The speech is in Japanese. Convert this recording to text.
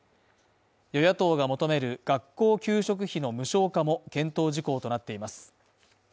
与野党が求める学校給食費の無償化も検討事項となっています。